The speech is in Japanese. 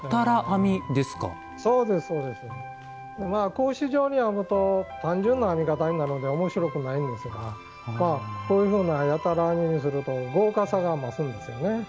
格子状に編むと単純な編み方になるので面白くないんですがこういうふうなやたら編みにすると豪華さが増すんですよね。